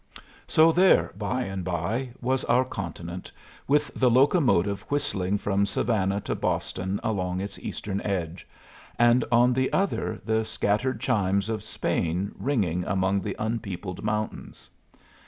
So there, by and by, was our continent, with the locomotive whistling from Savannah to Boston along its eastern edge, and on the other the scattered chimes of Spain ringing among the unpeopled mountains.